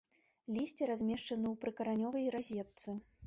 Лісце размешчаны ў прыкаранёвай разетцы.